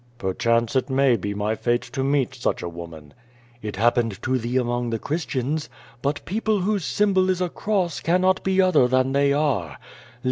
"Perchance it may be my fate to meet such a woman." "It happened to thee among the Christians. But people whose symbol is a cross cannot be other than they are.